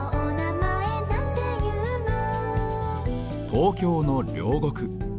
東京の両国。